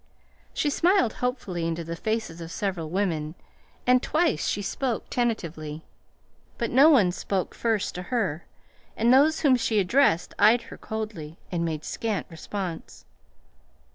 She smiled hopefully into the faces of several women, and twice she spoke tentatively. But no one spoke first to her, and those whom she addressed eyed her coldly, and made scant response.